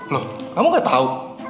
loh kamu gak tau